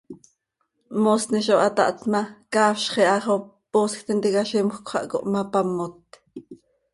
Moosni zo hataht ma, caafzx iha xo poosj tintica zimjöc xah cohmapamot.